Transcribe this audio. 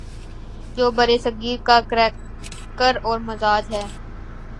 جو برصغیر کا کریکٹر اور مزاج ہے۔